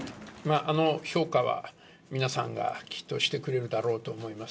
評価は、皆さんがきっとしてくれるだろうと思います。